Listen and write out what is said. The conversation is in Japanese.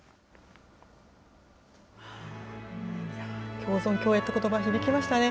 共存共栄ということば、響きましたね。